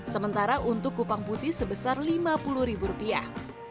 sementara untuk kupang putih sebesar lima puluh ribu rupiah